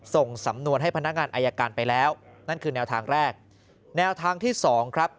ส่งสำนวนให้พนักงานอายการไปแล้วนั่นคือแนวทางแรกแนวทางที่สองครับ